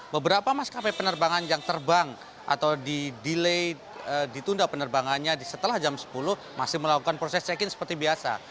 beberapa maskapai penerbangan yang terbang atau di delay ditunda penerbangannya setelah jam sepuluh masih melakukan proses check in seperti biasa